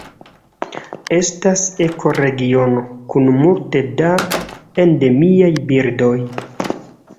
Estas ekoregiono kun multe da endemiaj birdoj.